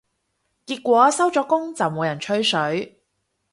結果收咗工就冇人吹水